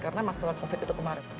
karena masalah covid itu kemarin